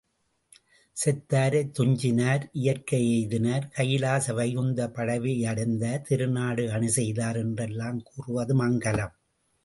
செத்தாரைத் துஞ்சினார் இயற்கை எய்தினார் கைலாச வைகுந்த பதவியடைந்தார் திருநாடு அணி செய்தார் என்றெல்லாம் கூறுவது மங்கலம்.